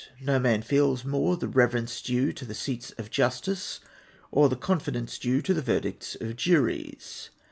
No man feels more the reverence due to the seats of justice, or the confidence due to the verdicts of juries.